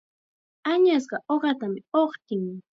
Añasqa uqatam uqtin.